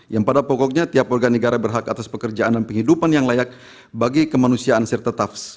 yang pada pokoknya tiap warga negara berhak atas pekerjaan dan penghidupan yang layak bagi kemanusiaan sertaps